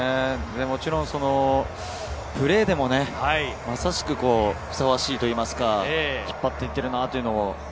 もちろんプレーでもまさしくふさわしいといいますか、引っ張っていってるなという。